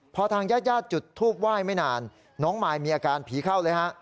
พอทางญาติญาติจุดทูปไหว้ไม่นานน้องมายมีอาการผีเข้าเลยฮะ